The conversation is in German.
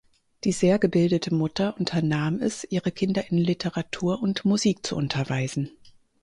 Die sehr gebildete Mutter unternahm es, ihre Kinder in Literatur und Musik zu unterweisen.